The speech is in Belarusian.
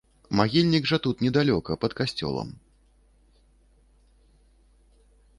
Магільнік жа тут недалёка, пад касцёлам.